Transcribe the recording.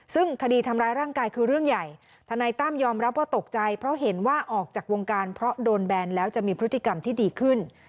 ซึ่งคดีทำร้ายร่างกายคือเรื่องใหญ่ทนายตั้มยอมรับว่าตกใจเพราะเห็นว่าออกจากวงการเพราะโดนแบนแล้วจะมีพฤติกรรมที่ดีขึ้น